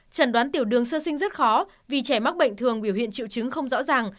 trần đoán tiểu đường sơ sinh rất khó vì trẻ mắc bệnh thường biểu hiện triệu chứng không rõ ràng